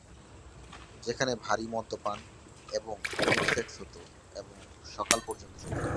সেখানে "ভারী মদ্যপান" এবং গ্রুপ সেক্স হত এবং সকাল পর্যন্ত চলত।